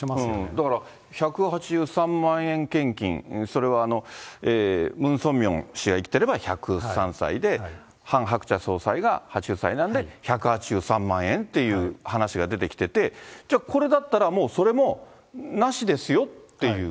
だから１８３万円献金、それはムン・ソンミョン氏が生きてれば１０３歳で、ハン・ハクチャ総裁が８０歳なんで、１８３万円っていう話が出てきてて、じゃあこれだったらもう、それもなしですよっていう？